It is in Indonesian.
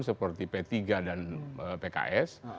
seperti p tiga dan pks